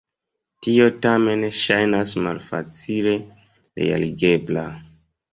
Tio tamen ŝajnas malfacile realigebla.